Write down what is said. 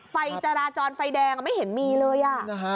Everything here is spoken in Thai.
ไฟจราจรไฟแดงไม่เห็นมีเลย